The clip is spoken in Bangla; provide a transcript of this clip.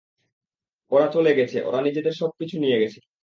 ওরা চলে গেছে, ওরা নিজেদের সবকিছু নিয়ে গেছে।